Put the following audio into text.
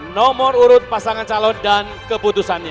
nomor urut pasangan calon dan keputusan lainnya